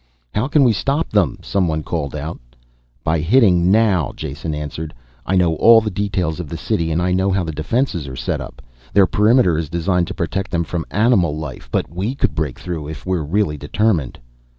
"How can we stop them?" someone called out. "By hitting now," Jason answered. "I know all the details of the city and I know how the defenses are set up. Their perimeter is designed to protect them from animal life, but we could break through it if we were really determined."